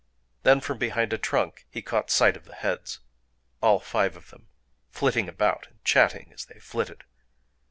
Then, from behind a trunk, he caught sight of the heads,—all five of them,—flitting about, and chatting as they flitted.